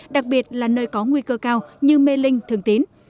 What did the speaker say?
đặc biệt là nơi có nguy cơ cao như mê linh thường tín